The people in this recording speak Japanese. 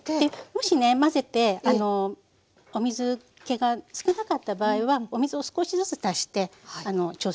もしね混ぜてお水っけが少なかった場合はお水を少しずつ足して調整して下さい。